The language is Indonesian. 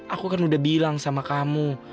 aku kan udah bilang sama kamu